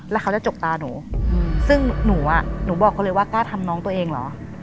แล้วเขาจะจกตาหนูซึ่งหนูอ่ะหนูบอกเขาเลยว่ากล้าทำน้องตัวเองเหรอ